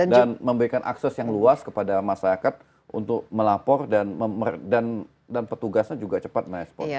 dan memberikan akses yang luas kepada masyarakat untuk melapor dan petugasnya juga cepat merespon